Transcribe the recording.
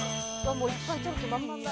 もういっぱい取る気満々だ。